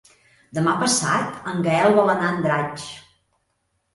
Demà passat en Gaël vol anar a Andratx.